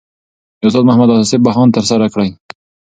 استاد محمد اصف بهاند ترسره کړی.